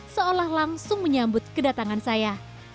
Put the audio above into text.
seolah langsung menyambut kedatangan saya